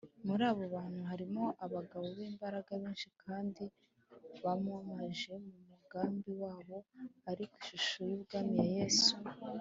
muri abo bantu harimo abagabo b’imbaraga benshi kandi bamaramaje mu mugambi wabo; ariko ishusho y’ubwami ya yesu,